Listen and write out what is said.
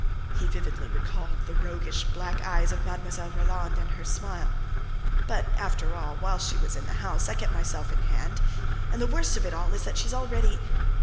(He vividly recalled the roguish black eyes of Mlle. Roland and her smile.) "But after all, while she was in the house, I kept myself in hand. And the worst of it all is that she's already